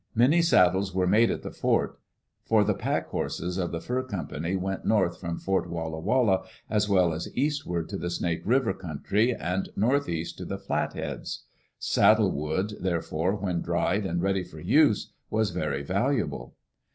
Many saddles were made at the fort, for the pack horses of the fur company went north from Fort Walla Walla, as well as eastward to the Snake River country and northeast to the Flatheads. Saddle wood, therefore, when dried and ready for use, was very valuable.